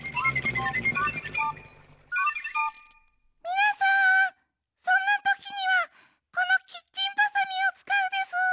みなさんそんなときにはこのキッチンバサミをつかうでスー。